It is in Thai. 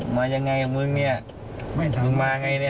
มายังไงมึงเนี่ยมึงมาไงเนี่ย